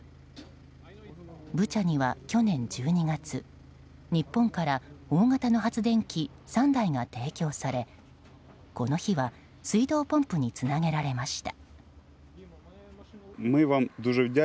ブチャには去年１２月、日本から大型の発電機３台が提供されこの日は水道ポンプにつなげられました。